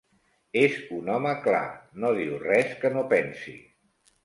És un home clar, no diu res que no pensi.